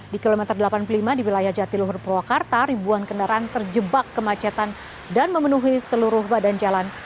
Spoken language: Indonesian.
di kilometer delapan puluh lima di wilayah jatiluhur purwakarta ribuan kendaraan terjebak kemacetan dan memenuhi seluruh badan jalan